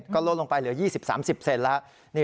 ก็ลงไปเหลือ๒๐๓๐เซนติเซตแล้ว